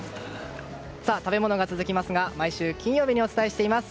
食べ物が続きますが毎週金曜日にお伝えしています